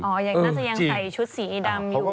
ยังน่าจะยังใส่ชุดสีดำอยู่